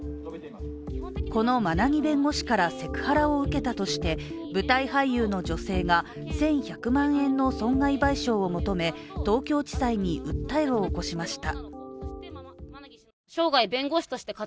この馬奈木弁護士からセクハラを受けたとして舞台俳優の女性が１１００万円の損害賠償を求め東京地裁に訴えを起こしました。